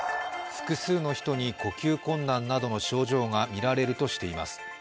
複数の人に呼吸困難などの症状がみられるとしています。